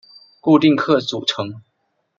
固定客组成。